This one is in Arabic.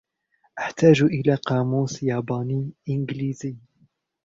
أحتاج إلى قاموس ياباني-إنجليزي.